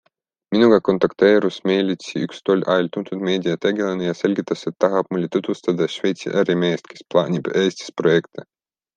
Minuga kontakteerus meilitsi üks tol ajal tuntud meediategelane ja selgitas, et tahab mulle tutvustada Šveitsi ärimeest, kes plaanib Eestis projekte.